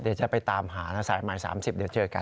เดี๋ยวจะไปตามหานะสายหมาย๓๐เดี๋ยวเจอกัน